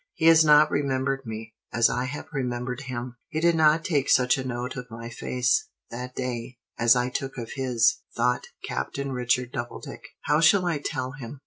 "He has not remembered me, as I have remembered him; he did not take such a note of my face, that day, as I took of his," thought Captain Richard Doubledick. "How shall I tell him?"